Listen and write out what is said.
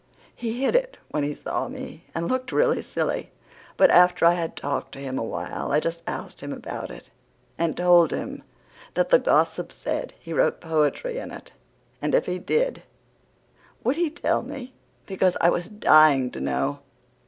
He hid it when he saw me and looked real silly; but after I had talked to him awhile I just asked him about it, and told him that the gossips said he wrote poetry in it, and if he did would he tell me, because I was dying to know.